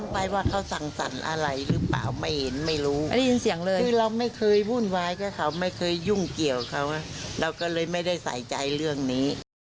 เราก็เลยไม่ได้ใส่ใจเรื่องนี้